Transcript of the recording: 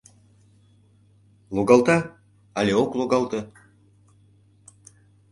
Логалта але ок логалте?